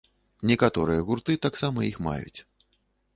Некаторыя гурты таксама іх маюць.